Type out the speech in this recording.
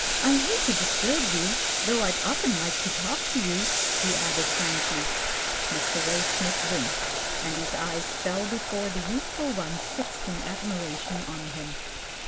I hate to disturb you, though I'd often like to talk to you," he added frankly. Mr. Waysmith winced, and his eyes fell before the youthful ones fixed in admiration on him.